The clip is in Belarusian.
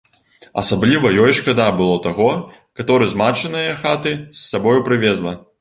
Асабліва ёй шкада было таго, каторы з матчынае хаты з сабою прывезла.